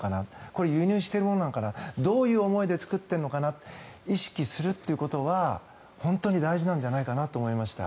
これ、輸入しているものなのかなどういう思いで作っているのかな意識するということは本当に大事なんじゃないかと思いました。